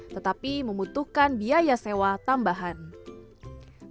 tetapi membutuhkan biaya sewa tanpa perhubungan